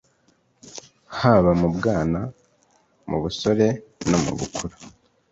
haba mu bwana, mu busore, no mu bukuru.